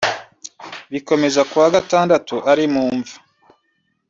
bikomeza ku wa gatandatu ari mumva